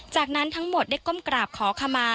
จากนั้นทั้งหมดได้ก้มกราบขอขมา